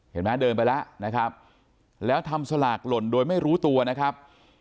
เห็นไหมเดินไปแล้วนะครับแล้วทำสลากหล่นโดยไม่รู้ตัวนะครับ